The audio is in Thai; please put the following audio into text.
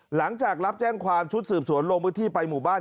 หลังจากรับแจ้งความชุดสืบสวนลงพื้นที่ไปหมู่บ้าน